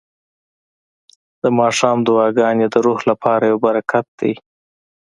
د ماښام دعاګانې د روح لپاره یو برکت دی.